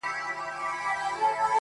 پلاره مه پرېږده چي ورور مي حرامخور سي,